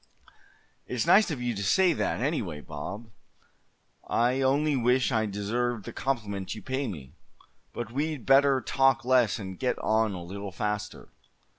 "It's nice of you to say that, anyway, Bob; I only wish I deserved the compliment you pay me. But we'd better talk less, and get on a little faster."